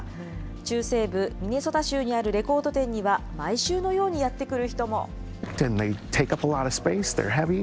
中西部ミネソタ州にあるレコード店には、毎週のようにやって来る人も。